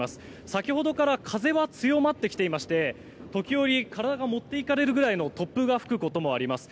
先ほどから風は強まってきていまして時折、体が持っていかれるぐらい突風が吹くことがあります。